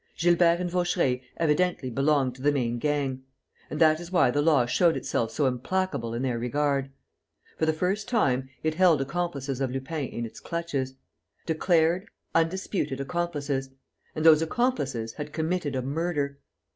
Gilbert and Vaucheray evidently belonged to the main gang. And that is why the law showed itself so implacable in their regard. For the first time, it held accomplices of Lupin in its clutches declared, undisputed accomplices and those accomplices had committed a murder.